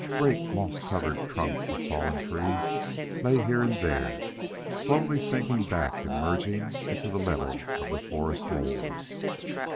Great, moss covered trunks of fallen trees lay here and there, slowly sinking back and merging into the level of the forest mould.